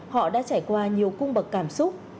họ đã trải qua nhiều cung bậc cảm xúc